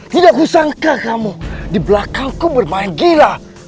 tidak kusangka kamu di belakangku bermain gila